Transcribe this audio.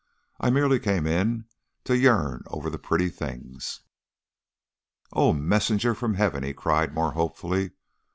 "I merely came in to yearn over the pretty things." "O messenger from Heaven!" he cried, more hopefully.